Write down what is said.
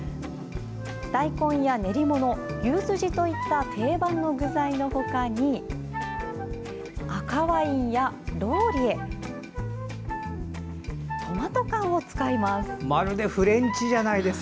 大根や練り物、牛すじといった定番の具材のほかに赤ワインやローリエトマト缶を使います。